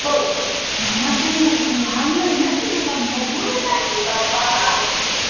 山先達の案内なしでは登れない岩場。